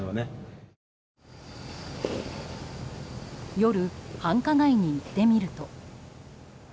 夜、繁華街に行ってみると。